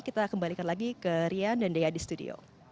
kita kembalikan lagi ke rian dan dea di studio